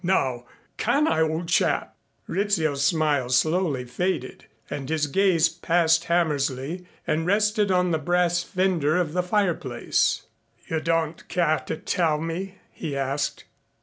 Now can I, old chap?" Rizzio's smile slowly faded and his gaze passed Hammersley and rested on the brass fender of the fireplace. "You don't care to tell me?" he asked.